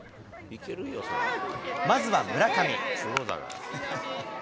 まずは村上。